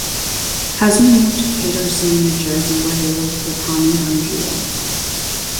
Hazmi moved to Paterson, New Jersey where he lived with Hani Hanjour.